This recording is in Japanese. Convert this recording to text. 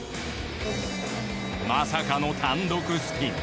まさかの単独スピン。